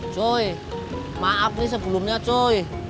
coy maaf nih sebelumnya coy